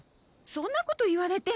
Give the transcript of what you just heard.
そんなこと言われても。